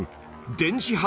電磁波